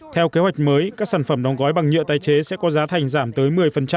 theo kế hoạch mới các sản phẩm đóng gói bằng nhựa tái chế sẽ có giá thành giảm tới một mươi